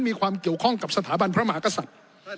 มีความเกี่ยวข้องกับสถาบันพระมหากษัตริย์